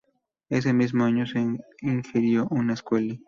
Ese mismo año se erigió una escuela.